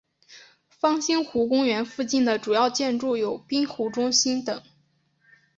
方兴湖公园附近的主要建筑有滨湖中心等。